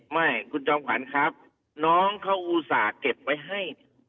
ไม่คุณจอมขวัญครับน้องเขาอุตส่าห์เก็บไว้ให้